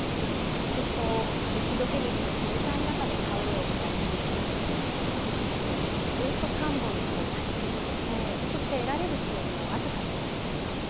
そして雪解け水の冷たい中で田植えをしたりずっと田んぼに立ち続けてそして得られる収入は僅かじゃないですか。